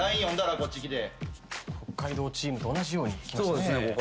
北海道チームと同じように。